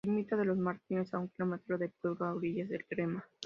Ermita de los Mártires, a un kilómetro del pueblo a orillas del Trema.